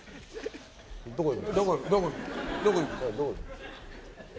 どこ行くの？